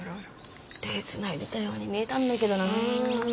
手つないでたように見えたんだけどな。